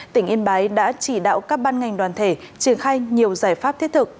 tỉnh yên bái đã chỉ đạo các ban ngành đoàn thể triển khai nhiều giải pháp thiết thực